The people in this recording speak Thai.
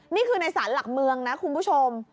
นี่คือในสารหลักเมืองนะคุณผู้ชม